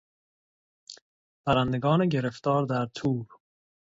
پرندگان گرفتار در تور